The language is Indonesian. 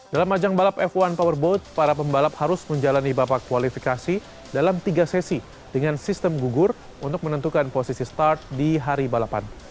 dalam ajang balap f satu powerboat para pembalap harus menjalani babak kualifikasi dalam tiga sesi dengan sistem gugur untuk menentukan posisi start di hari balapan